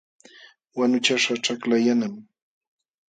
Wanuchaśhqa ćhakla yanam.